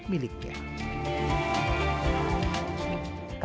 memiliki nilai jual yang sangat tinggi